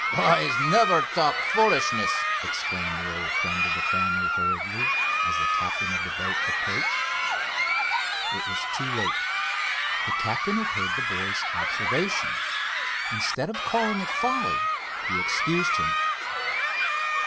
"Boys, never talk foolishness!" exclaimed the old friend of the family hurriedly as the captain of the boat approached. It was too late. The captain had heard the boy's observation; instead of calling it folly he excused him.